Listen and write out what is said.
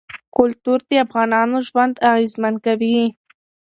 کلتور د افغانانو ژوند اغېزمن کوي.